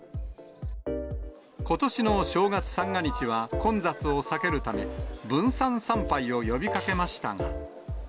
ことしの正月三が日は混雑を避けるため、分散参拝を呼びかけまし